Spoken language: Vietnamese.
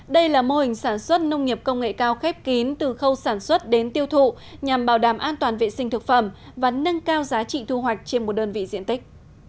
đây là mô hình sản xuất nông nghiệp công nghệ cao khép kín từ khâu sản xuất đến tiêu thụ nhằm bảo đảm an toàn vệ sinh thực phẩm và nâng cao giá trị thu hoạch trên một đơn vị diện tích